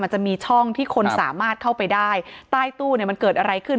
จะมีช่องที่คนสามารถเข้าไปได้ใต้ตู้เนี่ยมันเกิดอะไรขึ้น